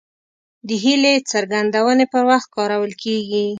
د هیلې څرګندونې پر وخت کارول کیږي.